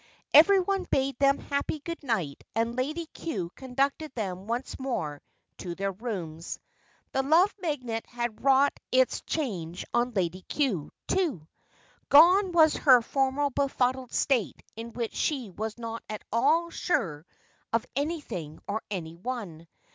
Everyone bade them a happy goodnight and Lady Cue conducted them once more to their rooms. The Love Magnet had wrought its change on Lady Cue, too. Gone was her former befuddled state in which she was not at all sure of anything or anyone.